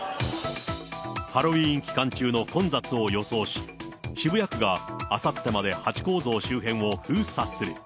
ハロウィーン期間中の混雑を予想し、渋谷区があさってまでハチ公像周辺を封鎖する。